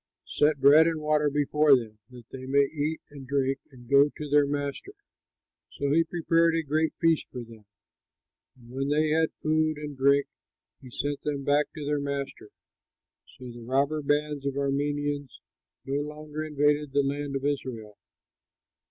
Set bread and water before them, that they may eat and drink and go to their master." So he prepared a great feast for them; and when they had had food and drink, he sent them back to their master. So the robber bands of Arameans no longer invaded the land of Israel.